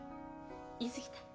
言い過ぎた？